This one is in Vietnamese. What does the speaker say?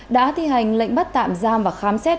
đã thi hành lệnh bắt tạm giam và khám xét